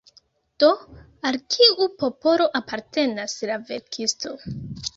Do, al kiu popolo apartenas la verkisto?